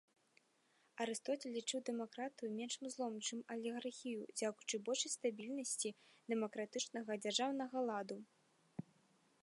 Арыстоцель лічыў дэмакратыю меншым злом, чым алігархію, дзякуючы большай стабільнасці дэмакратычнага дзяржаўнага ладу.